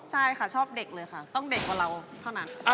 ใช่ค่ะชอบเด็กเลยค่ะต้องเด็กกว่าเราเท่านั้น